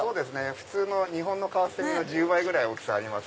普通の日本のカワセミの１０倍ぐらい大きさあります。